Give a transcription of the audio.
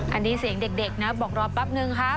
อันนี้เสียงเด็กนะบอกรอแป๊บนึงครับ